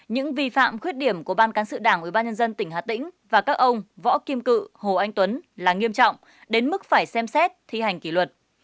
những vi phạm khuyết điểm của ban cán sự đảng ủy ban nhân dân tỉnh hà tĩnh và các ông võ kim cự hồ anh tuấn là nghiêm trọng đến mức phải xem xét thi hành kỷ luật